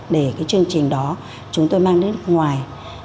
để cái chương trình đó chúng tôi mang đến ngoài